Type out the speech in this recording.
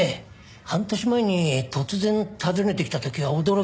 半年前に突然訪ねてきた時は驚きました。